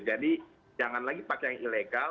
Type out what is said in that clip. jadi jangan lagi pakai yang ilegal